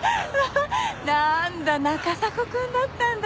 なんだ中迫くんだったんだ。